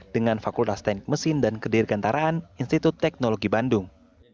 dengan fakultas teknik mesin dan kedirgantaraan institut teknologi bandung